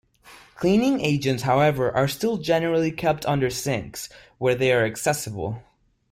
Cleaning agents, however, are still generally kept under sinks, where they are accessible.